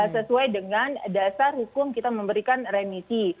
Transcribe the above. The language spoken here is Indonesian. sesuai dengan dasar hukum kita memberikan remisi